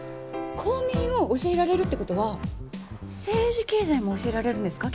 公民を教えられるっていう事は政治経済も教えられるんですか？